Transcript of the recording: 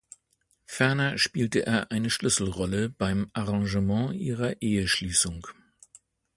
Ferner spielte er eine Schlüsselrolle beim Arrangement ihrer Eheschließung.